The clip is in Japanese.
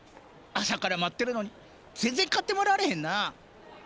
朝から待ってるのに全然買ってもらわれへんな。